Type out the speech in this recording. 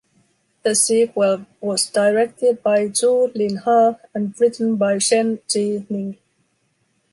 The sequel was directed by Zhou Lin Hao and written by Shen Zhi Ning.